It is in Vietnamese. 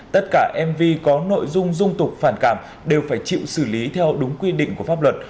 tất cả mv có nội dung dung tục phản cảm đều phải chịu xử lý theo đúng quy định của pháp luật